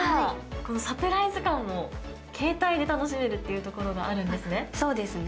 このサプライズ感も携帯で楽しめるっていうところがあるんですね。